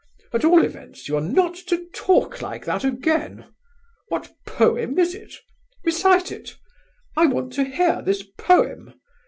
At all events, you are not to talk like that again. What poem is it? Recite it! I want to hear this poem!